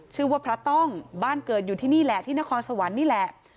ชื่อว่าพระต้องบ้านเกิดอยู่ที่นี่แหละที่นครสวรรค์นี่แหละ